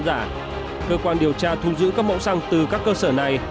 cơ quan điều tra thu giữ các mẫu xăng từ các cơ sở này